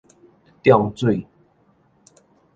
漲水